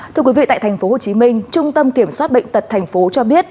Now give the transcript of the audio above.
thưa quý vị tại tp hcm trung tâm kiểm soát bệnh tật tp cho biết